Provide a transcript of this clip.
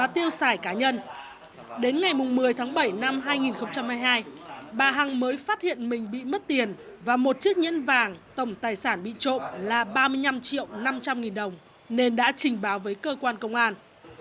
đến ngày một mươi tháng bảy năm hai nghìn hai mươi hai bà hằng mới phát hiện mình bị mất tiền và một chiếc nhẫn vàng tổng tài sản bị trộm là ba mươi năm triệu năm trăm linh nghìn đồng nên đã trình báo với cơ quan công an